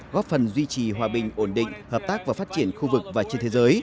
góp phần duy trì hòa bình ổn định hợp tác và phát triển khu vực và trên thế giới